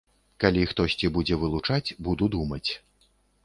Калі хтосьці будзе вылучаць, буду думаць.